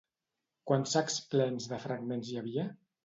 Quants sacs plens de fragments hi havia?